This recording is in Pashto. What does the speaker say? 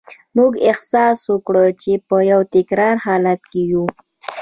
موږ احساس وکړ چې په یو تکراري حالت کې یو